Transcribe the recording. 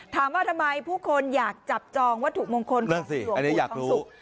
ถามว่าทำไมผู้คนอยากจับจองวัตถุมงคลของหลวงปู่ทองสุก